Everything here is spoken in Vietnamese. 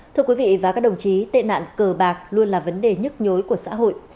thưa quý vị và các đồng chí tệ nạn cờ bạc luôn là vấn đề nhức nhối của xã hội